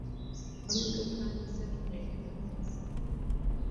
Abamu twakkaanyizza tubeere ba mmizi.